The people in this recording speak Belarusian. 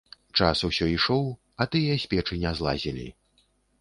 Час усё ішоў, а тыя з печы не злазілі.